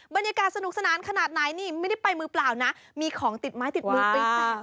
บรรยากาศสนุกสนานขนาดไหนนี่ไม่ได้ไปมือเปล่านะมีของติดไม้ติดมือไปจ้า